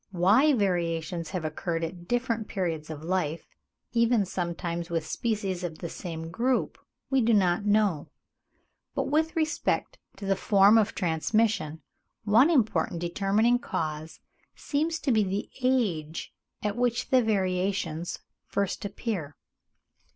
Why variations have occurred at different periods of life, even sometimes with species of the same group, we do not know, but with respect to the form of transmission, one important determining cause seems to be the age at which the variations first appear.